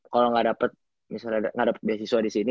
kalau gak dapet biasiswa disini